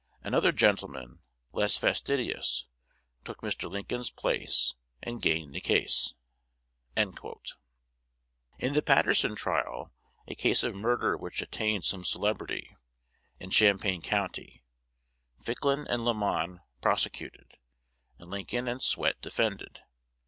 Another gentleman, less fastidious, took Mr. Lincoln's place, and gained the case." In the Patterson trial a case of murder which attained some celebrity in Champaign County, Ficklin and Lamon prosecuted, and Lincoln and Swett defended.